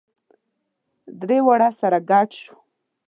درې واړه سره ګډ شوو.